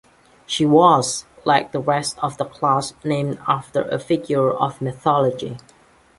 She was, like the rest of the class, named after a figure of mythology.